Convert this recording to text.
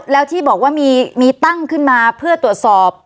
แล้วที่บอกว่ามีตั้งขึ้นมาเพื่อตรวจสอบ